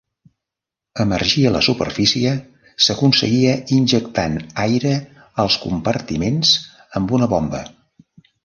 Emergir a la superfície s'aconseguia injectant aire als compartiments amb una bomba.